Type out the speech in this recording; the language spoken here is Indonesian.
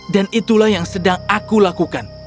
dan itulah yang sedang aku lakukan